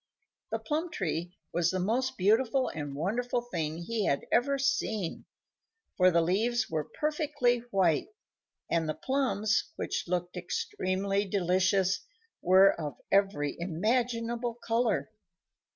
The plum tree was the most beautiful and wonderful thing he had ever seen, for the leaves were perfectly white, and the plums, which looked extremely delicious, were of every imaginable color.